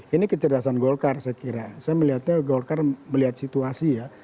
ini kecerdasan golkar saya kira saya melihatnya golkar melihat situasi ya